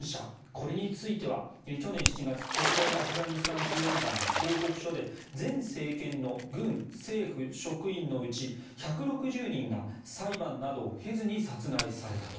これについては、去年７月国連アフガニスタン支援団が報告書で前政権の軍・政府職員のうち１６０人が裁判などを経ずに殺害されたと。